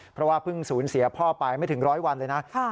เพราะว่าเพิ่งสูญเสียพ่อไปไม่ถึงร้อยวันเลยนะ